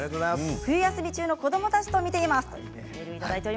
冬休み中の子どもたちと見ています。